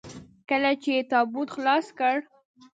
کله چې يې تابوت خلاص کړ.